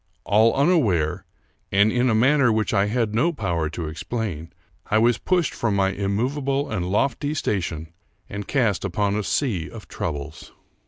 All unaware, and in a manner which I had no power to explain, I was pushed from my immovable and lofty station and cast upon a sea of troubles.